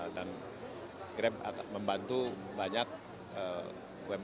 dan grab membantu banyak orang